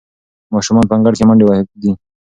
ماشومان په انګړ کې په منډو دي.